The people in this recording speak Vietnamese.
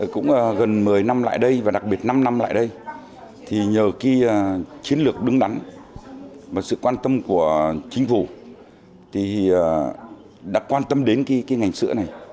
cũng gần một mươi năm lại đây và đặc biệt năm năm lại đây thì nhờ cái chiến lược đúng đắn và sự quan tâm của chính phủ thì đã quan tâm đến cái ngành sữa này